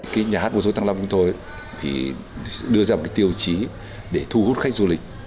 cái nhà hát của số tăng lâm cũng thôi thì đưa ra một tiêu chí để thu hút khách du lịch